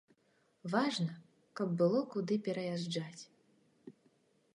Важна, каб было куды пераязджаць.